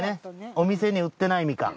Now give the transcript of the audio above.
お店に売ってないみかん。